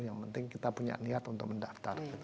yang penting kita punya niat untuk mendaftar